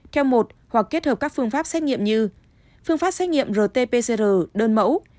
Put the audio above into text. theo một hoặc kết hợp các phương pháp xét nghiệm như phương pháp xét nghiệm rt pcr đơn mẫu